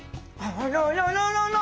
あららららら！